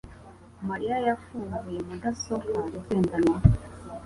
mariya yafunguye mudasobwa igendanwa